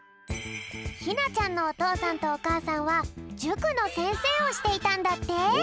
ひなちゃんのおとうさんとおかあさんはじゅくのせんせいをしていたんだって。